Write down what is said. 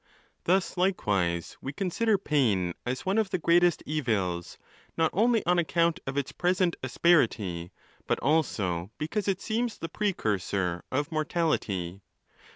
Thus, likewise, we consider pain as one of the greatest evils, not only on account of its present asperity, but also because it seems the precursor of mortality.